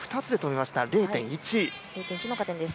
０．１の加点です。